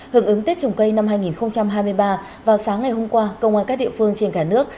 hưởng ứng tết trồng cây năm hai nghìn hai mươi ba vào sáng ngày hôm qua công an các địa phương trên cả nước